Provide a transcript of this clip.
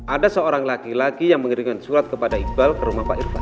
ada seorang laki laki yang mengirimkan surat kepada iqbal ke rumah pak irfan